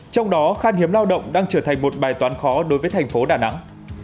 trong đó khan hiếm lao động đang trở thành một bài toán khó đối với thành phố đà nẵng